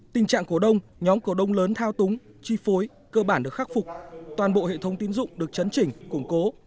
tình trạng cổ đông nhóm cổ đông lớn thao túng chi phối cơ bản được khắc phục toàn bộ hệ thống tín dụng được chấn chỉnh củng cố